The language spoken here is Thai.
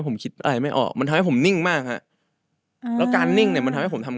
ผมก็มามาอีก